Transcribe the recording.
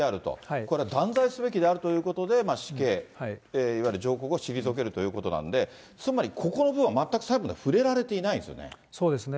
これは断罪すべきであるということで、死刑、いわゆる上告を退けるということなんで、つまりここの部分は全く裁判では触れられていないんですね。